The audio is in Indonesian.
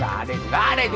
gak ada itu gak ada itu